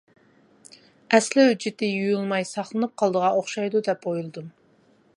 ئەسلى ھۆججىتى يۇيۇلماي ساقلىنىپ قالىدىغان ئوخشايدۇ دەپ ئويلىدىم.